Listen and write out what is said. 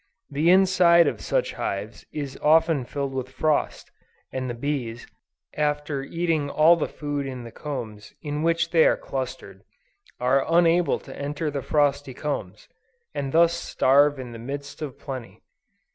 The inside of such hives, is often filled with frost, and the bees, after eating all the food in the combs in which they are clustered, are unable to enter the frosty combs, and thus starve in the midst of plenty.